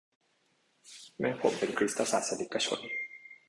แม่ผมเป็นคริสตศาสนิกชน